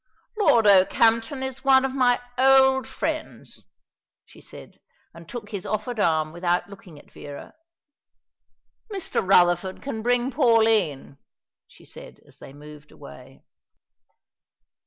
"Lord Okehampton is one of my old friends," she said, and took his offered arm without looking at Vera. "Mr. Rutherford can bring Pauline," she said, as they moved away.